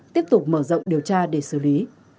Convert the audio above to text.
tiếp tục mở rộng điều tra để xử lý